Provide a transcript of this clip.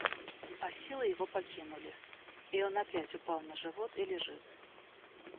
А силы его покинули, и он опять упал на живот и лежит.